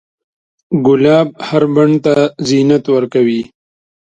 ګلاب هر بڼ ته زینت ورکوي.